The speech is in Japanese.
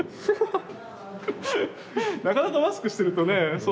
なかなかマスクしてるとねそうだよね。